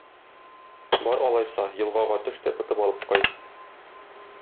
Бар алайса, елгага төш тә, тотып алып кайт.